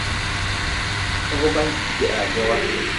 Fogʼba jeha jowa.